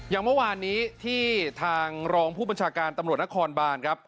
อย่างเมื่อวานนี้ที่ทางรองผู้บัญชาการตำรวจนครบานครับ